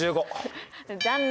残念！